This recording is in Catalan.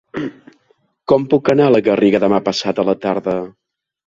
Com puc anar a la Garriga demà passat a la tarda?